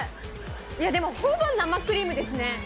いやでも、ほぼ生クリームですね。